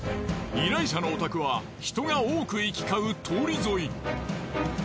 依頼者のお宅は人が多く行き交う通り沿い。